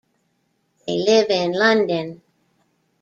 They live in London.